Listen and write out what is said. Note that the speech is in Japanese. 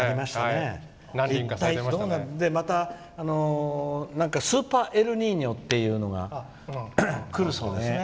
そしてまたスーパーエルニーニョっていうのが来るそうですね。